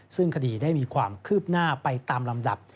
ซึ่งคดีได้มีความคืบหน้าไปตามลำดับ